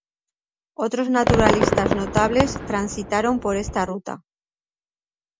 Otros naturalistas notables transitaron por esta ruta.